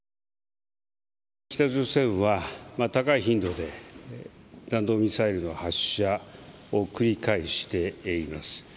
北朝鮮は高い頻度で弾道ミサイルの発射を繰り返しています。